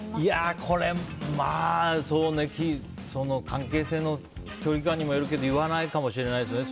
これは関係性の距離感にもよるけど言わないかもしれないですね。